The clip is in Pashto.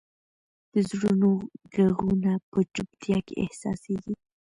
د زړونو ږغونه په چوپتیا کې احساسېږي.